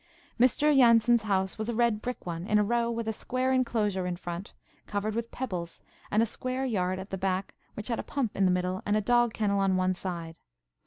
Mr. Jansen's house was a red brick one, in a row, with a square enclosure in front, covered with pebbles, and a square yard at the back, which had a pump in the middle, and a dog kennel on one side.